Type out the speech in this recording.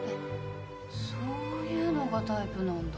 そういうのがタイプなんだ。